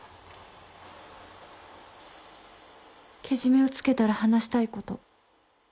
けじめをつけたら話したいこと。